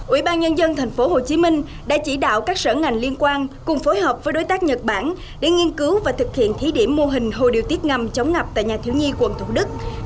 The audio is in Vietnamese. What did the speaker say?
ủy ban nhân dân thành phố hồ chí minh đã chỉ đạo các sở ngành liên quan cùng phối hợp với đối tác nhật bản để nghiên cứu và thực hiện thí điểm mô hình hồ điều tiết ngầm chống ngập tại nhà thiếu nhi quận thủ đức